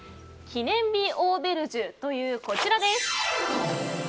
記念日オーベルジュというこちら。